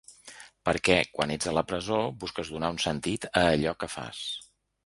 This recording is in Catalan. Perquè, quan ets a la presó, busques donar un sentit a allò que fas.